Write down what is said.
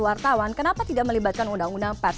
wartawan kenapa tidak melibatkan undang undang pers